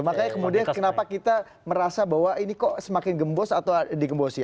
makanya kemudian kenapa kita merasa bahwa ini kok semakin gembos atau digembosi